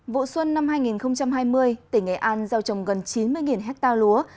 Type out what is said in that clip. vụ xuân năm hai nghìn hai mươi tỉnh ây an giao trồng gần chín mươi hectare lúa